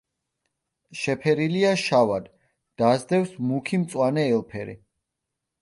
შეფერილია შავად, დასდევს მუქი მწვანე ელფერი.